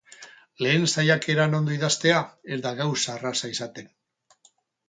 Lehen saiakeran ondo idaztea ez da gauza erraza izaten.